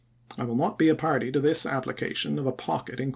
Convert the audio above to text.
I will not be a party to this application of a pocket Diary.